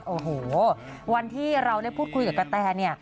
โอ้โหวันที่เราได้พูดคุยกับกะแตเนี่ย